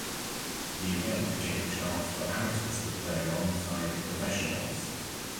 The event gave a chance for amateurs to play alongside professionals.